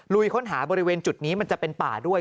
ค้นหาบริเวณจุดนี้มันจะเป็นป่าด้วย